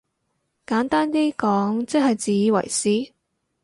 簡單啲講即係自以為是？